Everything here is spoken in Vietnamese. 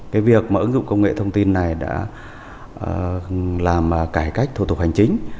cái việc mà ứng dụng công nghệ thông tin này đã làm cải cách thủ tục hành chính